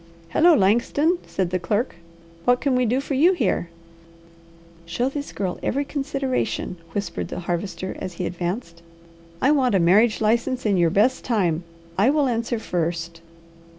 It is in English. "Hello, Langston!" said the clerk. "What can we do for you here?" "Show this girl every consideration," whispered the Harvester, as he advanced. "I want a marriage license in your best time. I will answer first."